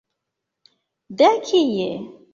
De kie?